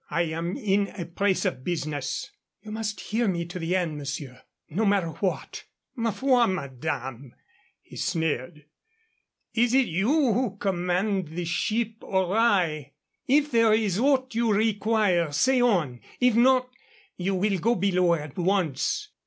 I am in a press of business." "You must hear me to the end, monsieur. No matter what " "Ma foi, madame," he sneered. "Is it you who command the ship or I? If there is aught you require, say on. If not, you will go below at once."